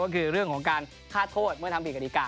ก็คือเรื่องของการฆ่าโทษเมื่อทำผิดกฎิกา